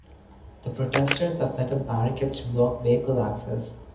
The protesters have set up barricades to block vehicle access.